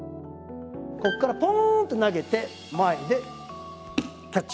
こっからポンって投げて前でキャッチ。